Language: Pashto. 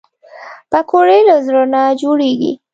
پکورې له زړه نه جوړېږي